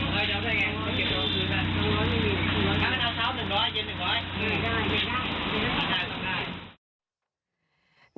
ไม่ได้อย่าได้ไม่ได้